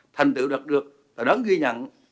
thành tựu đạt được tôi đón ghi nhận